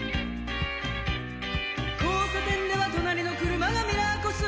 「交差点では隣の車がミラーこすったと」